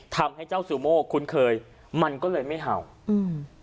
ทำให้เจ้าซูโม่คุ้นเคยมันก็เลยไม่เห่าอืม